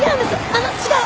あの違う！